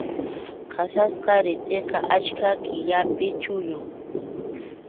Qasasqa ritʼiqa achka killapi chullun.